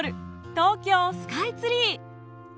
東京スカイツリー。